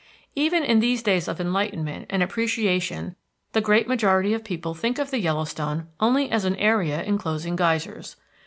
Even in these days of enlightenment and appreciation the great majority of people think of the Yellowstone only as an area enclosing geysers.